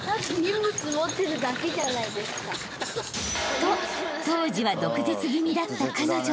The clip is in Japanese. ［と当時は毒舌気味だった彼女］